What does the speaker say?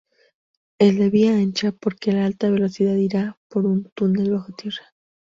El de vía ancha, porque la alta velocidad irá, por un túnel, bajo tierra.